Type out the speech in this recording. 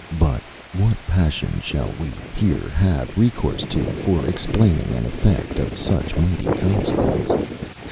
But what passion shall we here have recourse to, for explaining an effect of such mighty consequence?